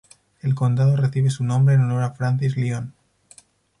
El condado recibe su nombre en honor a Francis Lyon.